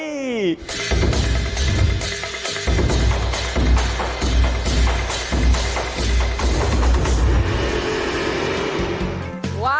นายสะบัดทั่วทาง